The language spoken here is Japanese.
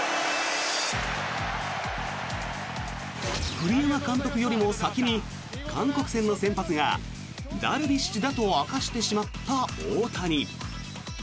栗山監督よりも先に韓国戦の先発がダルビッシュだと明かしてしまった大谷。